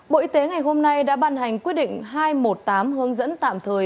bộ y tế ngày hôm nay đã ban hành quyết định hai trăm một mươi tám hướng dẫn tạm thời